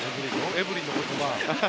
エブリンの言葉。